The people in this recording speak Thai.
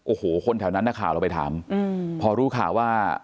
โอ้โหคนแถวนั้นนักข่าวเราไปถามพอรู้ข่าวว่า